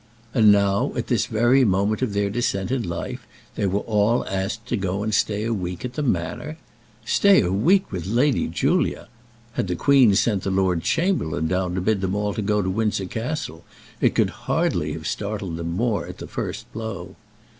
And now, at this very moment of their descent in life, they were all asked to go and stay a week at the Manor! Stay a week with Lady Julia! Had the Queen sent the Lord Chamberlain down to bid them all go to Windsor Castle it could hardly have startled them more at the first blow.